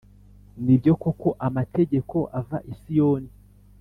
Ni byo koko, amategeko ava i Siyoni,